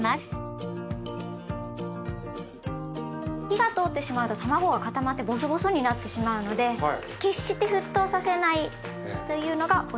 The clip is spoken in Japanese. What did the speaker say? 火が通ってしまうとたまごが固まってぼそぼそになってしまうので決して沸騰させないというのがポイントです。